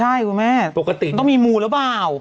ใช่คุณแม่ปกติต้องมีมูลหรือเปล่า